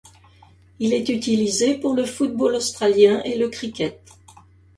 Il est utilisé pour le football australien et le cricket.